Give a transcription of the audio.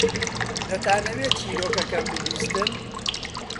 دەتانەوێت چیرۆکەکەم ببیستن؟